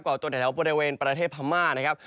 ตัวแถวบริเวณประเทศพม่านะครับ